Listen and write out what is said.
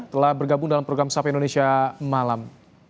telah bergabung dalam program sapi indonesia malam